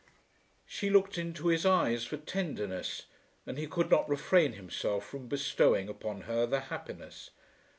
She looked into his eyes for tenderness, and he could not refrain himself from bestowing upon her the happiness.